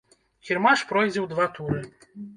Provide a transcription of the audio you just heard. Кірмаш пройдзе ў два туры.